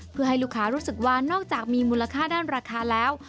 เพื่อให้ลูกค้ารู้สึกว่านอกจากมีมูลค่าด้านราคาแล้ว